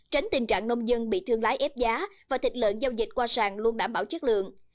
tránh tình trạng nông dân bị thương lái ép giá và thịt lợn giao dịch qua sàn luôn đảm bảo chất lượng